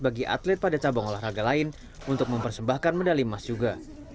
bagi atlet pada cabang olahraga lain untuk mempersembahkan medali emas juga